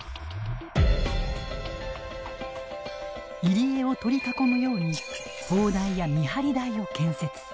入り江を取り囲むように砲台や見張り台を建設。